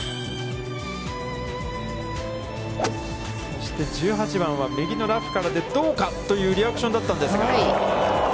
そして、１８番は右のラフからでどうか！というリアクションだったんですが。